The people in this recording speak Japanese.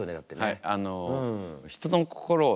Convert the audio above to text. はい。